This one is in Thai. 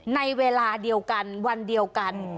ในเวลาเดียวกันวันเดียวกัน